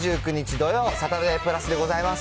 土曜、サタデープラスでございます。